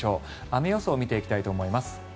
雨予想を見ていきたいと思います。